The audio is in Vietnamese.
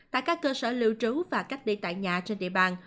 tại các cơ sở lưu trú và cách ly tại nhà trên địa bàn